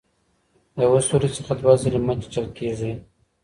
یوه سوري څخه دوه ځله مه چیچل کیږئ.